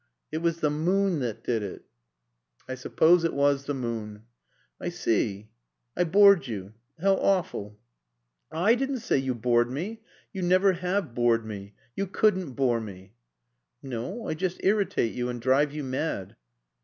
"It was the moon that did it." "I suppose it was the moon." "I see. I bored you. How awful." "I didn't say you bored me. You never have bored me. You couldn't bore me." "No I just irritate you and drive you mad."